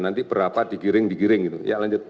nanti berapa digiring digiring gitu ya lanjut